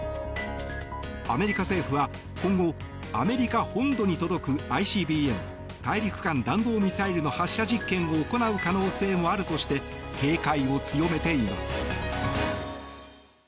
アメリカ政府は今後アメリカ本土に届くＩＣＢＭ・大陸間弾道ミサイルの発射実験を行う可能性もあるとして警戒を強めています。